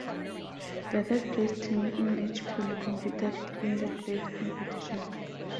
The third placed team in each pool competed in the plate competition.